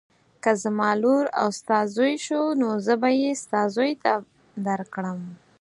که زما لور او ستا زوی شو زه به یې ستا زوی ته درکړم.